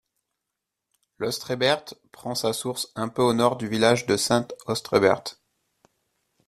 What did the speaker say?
L'Austreberthe prend sa source un peu au nord du village de Sainte-Austreberthe.